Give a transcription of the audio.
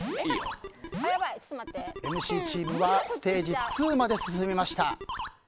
ＭＣチームはステージ２まで進みました。